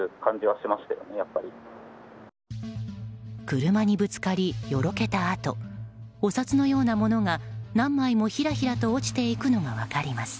車にぶつかり、よろけたあとお札のようなものが何枚も、ひらひらと落ちていくのが分かります。